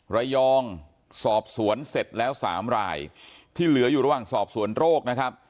ระยองสอบสวนเสร็จแล้วสามรายที่เหลืออยู่ระหว่างสอบสวนโรคนะครับ